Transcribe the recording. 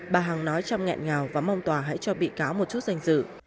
bà hằng nói trong nghẹn ngào và mong tòa hãy cho bị cáo một chút danh dự